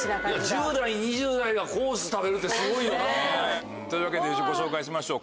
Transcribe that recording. １０代２０代がコース食べるてすごいよな。というわけで自己紹介しましょう。